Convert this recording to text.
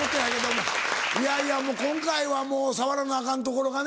いやいや今回はもう触らなアカンところがね